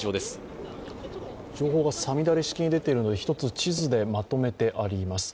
情報が五月雨式に出ているので、地図でまとめてあります。